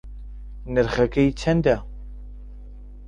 نرخەکەی چەندە